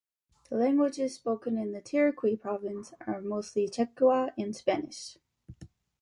The languages spoken in the Tiraque Province are mainly Quechua and Spanish.